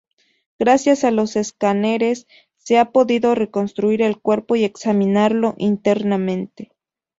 Gracias a los escáneres, se ha podido reconstruir el cuerpo y examinarlo internamente.